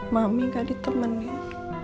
mami gak ditemenin